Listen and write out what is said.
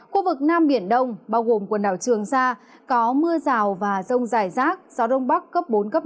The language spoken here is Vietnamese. khu vực nam biển đông bao gồm quần đảo trường sa có mưa rào và rông dài rác gió đông bắc cấp bốn cấp năm